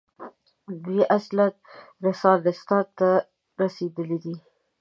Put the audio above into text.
دوی اصلاً رنسانستان ته رسېدلي دي.